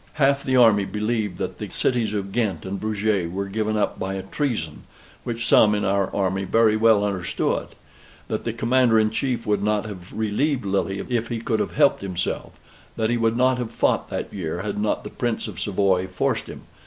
Half the army believed that the cities of Ghent and Bruges were given up by a treason, which some in our army very well understood; that the Commander in Chief would not have relieved Lille if he could have helped himself; that he would not have fought that year had not the Prince of Savoy forced him.